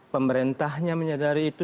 pemerintahnya menyadari itu